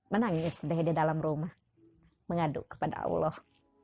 menangis dah di dalam rumah mengaduk kepada allah